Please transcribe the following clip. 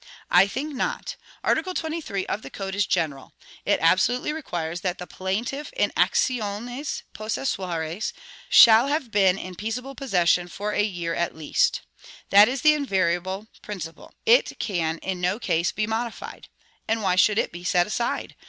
I think not. Art. 23 of the Code is general: it absolutely requires that the plaintiff in actions possessoires shall have been in peaceable possession for a year at least. That is the invariable principle: it can in no case be modified. And why should it be set aside?